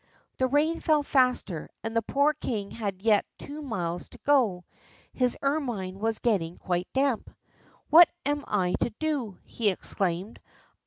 The rain fell faster, and the poor king had yet two miles to go. His ermine was getting quite damp. "What am I to do?" he exclaimed.